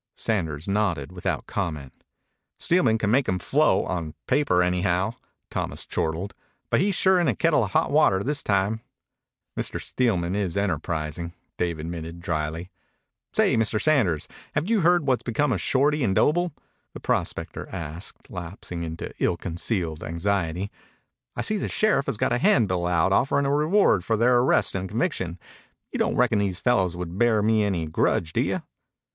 Sanders nodded, without comment. "Steelman can make 'em flow, on paper anyhow," Thomas chortled. "But he's sure in a kettle of hot water this time." "Mr. Steelman is enterprising," Dave admitted dryly. "Say, Mr. Sanders, have you heard what's become of Shorty and Doble?" the prospector asked, lapsing to ill concealed anxiety. "I see the sheriff has got a handbill out offerin' a reward for their arrest and conviction. You don't reckon those fellows would bear me any grudge, do you?"